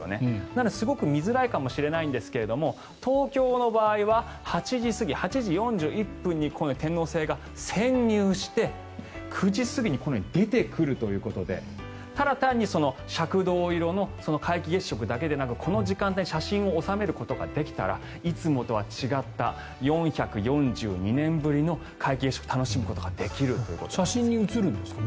なのですごく見づらいかもしれないんですが東京の場合は８時過ぎ、８時４１分に天王星が潜入して、９時過ぎにこのように出てくるということでただ単に赤銅色の皆既月食ではなくこの時間帯に写真を収めることができたらいつもとは違った４４２年ぶりの皆既月食を楽しむことができるということですね。